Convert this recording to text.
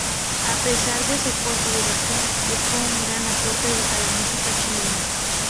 A pesar de su corta duración, dejó un gran aporte a la música chilena.